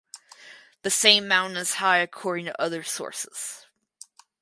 The same mountain is high according to other sources.